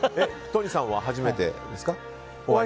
都仁さんは初めてですか？